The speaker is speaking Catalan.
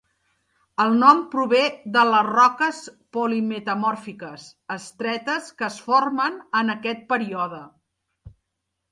El nom prové de les roques polimetamòrfiques estretes que es formen en aquest període.